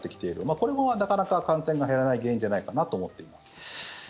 これも、なかなか感染が減らない原因じゃないかなと思っています。